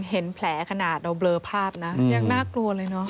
เห็นแผลขนาดเราเบลอภาพนะยังน่ากลัวเลยเนอะ